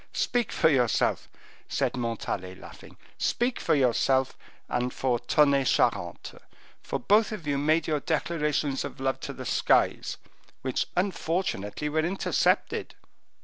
"Speak for yourself," said Montalais, laughing, "speak for yourself and for Tonnay Charente; for both of you made your declarations of love to the skies, which unfortunately were intercepted."